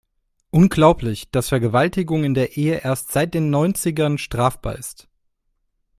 Unglaublich, dass Vergewaltigung in der Ehe erst seit den Neunzigern strafbar ist.